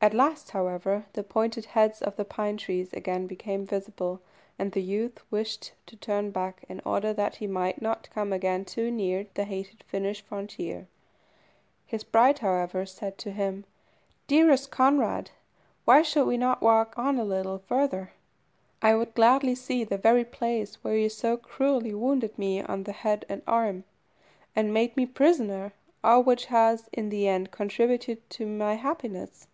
At last, however, the pointed heads of the pine trees again became visible, and the youth wished to turn back, in order that he might not come again too near the hated Finnish frontier. His bride, however, said to him "Dearest Conrad, why should we not walk on a little further? I would gladly see the very place where you so cruelly wounded me on the head and arm, and made me prisoner, all which has, in the end contributed to my happiness.